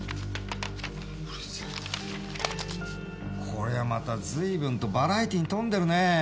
こりゃまた随分とバラエティーに富んでるね。